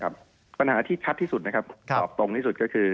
ปัญหาที่ชัดที่สุดนะครับตอบตรงที่สุดก็คือ